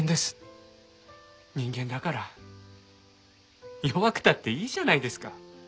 人間だから弱くたっていいじゃないですか。